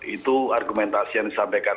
itu argumentasi yang disampaikan